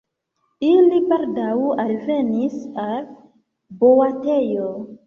Ili baldaŭ alvenis al boatejo.